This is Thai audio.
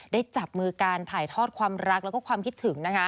จับมือการถ่ายทอดความรักแล้วก็ความคิดถึง